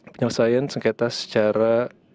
penyelesaian sengketa secara